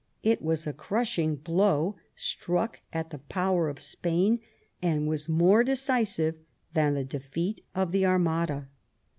It was a crushing blow struck at the power of Spain and was more decisive than the defeat of the Armada.